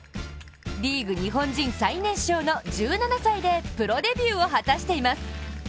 リーグ日本人最年少の１７歳でプロデビューを果たしています。